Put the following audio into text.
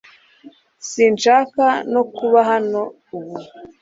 Sinshaka no kuba hano ubu